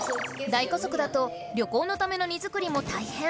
大家族だと旅行のための荷造りも大変！